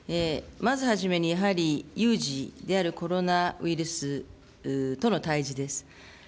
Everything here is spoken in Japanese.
まず初めにやはり、有事であるコロナウイルスとの対じです。